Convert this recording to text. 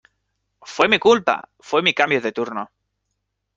¡ fue mi culpa! fue mi cambio de turno.